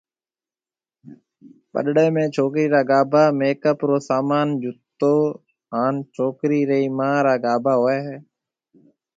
پڏݪيَ ۾ ڇوڪرِي را گھاڀا، ميڪ اپ رو سامان، جُتِي ھان ڇوڪرِي رِي مان را گھاڀا ھوئيَ ھيَََ